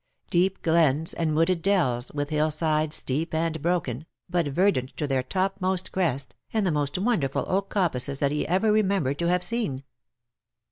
Deep glens, and wooded dells, with hill sides steep and broken, but verdant to their topmost crest, and the most wonderful oak coppices that he ever remembered to have seen.